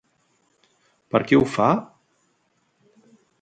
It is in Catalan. Per qui ho fa?